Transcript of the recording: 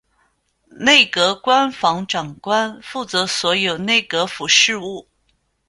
内阁官房长官负责所有内阁府事务。